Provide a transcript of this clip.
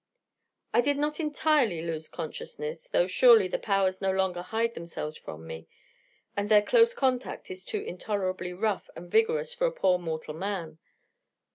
I did not entirely lose consciousness, though, surely, the Powers no longer hide themselves from me, and their close contact is too intolerably rough and vigorous for a poor mortal man.